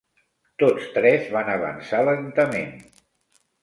Tots tres van avançar, lentament